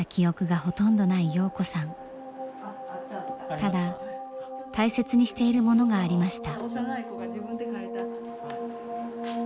ただ大切にしているものがありました。